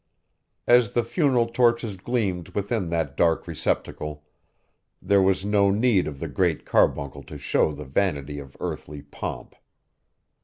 As the funeral torches gleamed within that dark receptacle, there was no need of the Great Carbuncle to show the vanity of earthly pomp.